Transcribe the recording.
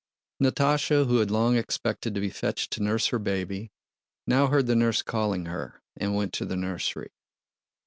Natásha, who had long expected to be fetched to nurse her baby, now heard the nurse calling her and went to the nursery.